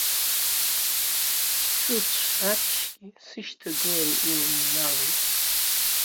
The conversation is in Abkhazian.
Сыцәаԥшьгьы сышьҭагыланы илыҩналеит.